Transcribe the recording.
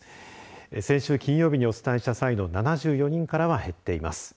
先週金曜日にお伝えした際の７４人からは減っています。